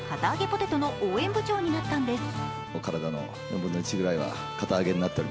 ポテトの応援部長になったんです。